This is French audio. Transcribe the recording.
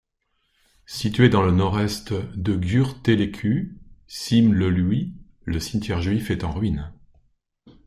Situé dans le nord-est de Giurtelecu Șimleului, le cimetière juif est en ruine.